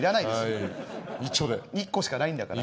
１個しかないんだから。